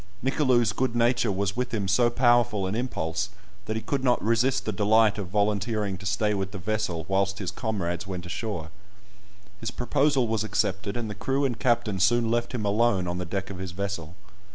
Nicolou's good nature was with him so powerful an impulse, that he could not resist the delight of volunteering to stay with the vessel whilst his comrades went ashore. His proposal was accepted, and the crew and captain soon left him alone on the deck of his vessel.